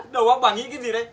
đầu bác bà nghĩ cái gì đấy